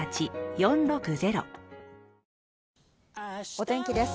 お天気です。